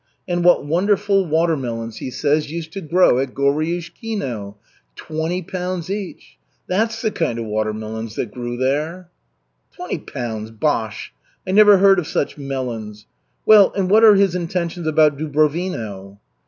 And what wonderful watermelons,' he says, 'used to grow at Goriushkino! Twenty pounds each. That's the kind of watermelons that grew there!'" "Twenty pounds, bosh! I never heard of such melons. Well, and what are his intentions about Dubrovino?"